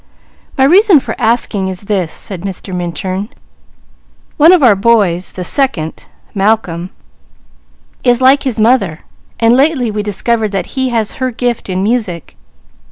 "My reason for asking is this," said Mr. Minturn: "one of our boys, the second, Malcolm, is like his mother, and lately we discovered that he has her gift in music.